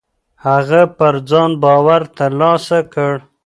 هغه پر ځان باور ترلاسه کړ.